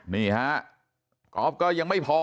นี่ฮะก๊อฟก็ยังไม่พอ